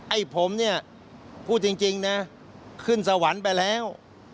ไอ้ผมเนี่ยพูดจริงนะขึ้นสวรรค์ไปแล้ว